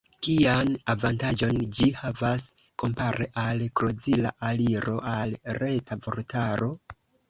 Kian avantaĝon ĝi havas kompare al krozila aliro al Reta Vortaro?